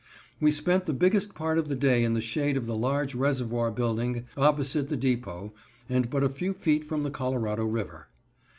We spent the biggest part of the day in the shade of the large Reservoir building opposite the depot, and but a few feet from the Colorado River.